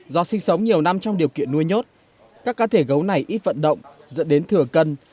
do sinh sống nhiều năm trong điều kiện nuôi nhốt các cá thể gấu này ít vận động dẫn đến thừa cân